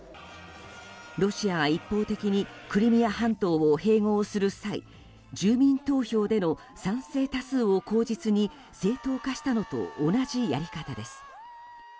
ロシアが一方的にクリミア半島を併合する際住民投票での賛成多数を口実に正当化したのと同じやり方です。